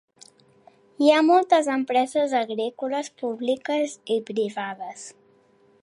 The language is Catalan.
Hi ha moltes empreses agrícoles públiques i privades.